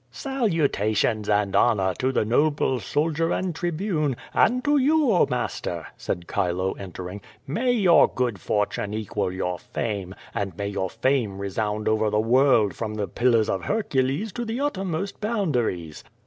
"Salutations and honor to the noble soldier and Tribune, and to you, oh, master," said Chilo, entering, '^ay your QVO VADI8. 119 good fortune equal your fame, and may your fame resound over the world from the pillars of Hercules to the uttermost boundaries.'